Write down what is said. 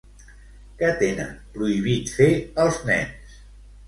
Què tenen prohibit fer els nens?